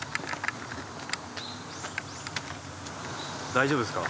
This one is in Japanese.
大丈夫ですか？